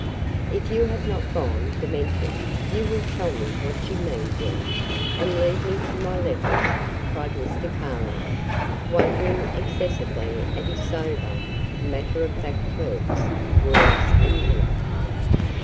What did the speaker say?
"If you have not gone demented, you will tell me what you mean, Dill, and leave me to my letters," cried Mr. Carlyle, wondering excessively at his sober, matter of fact clerk's words and manner.